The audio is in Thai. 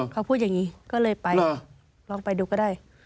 เขาพูดอย่างนี้ก็เลยไปลองไปดูก็ได้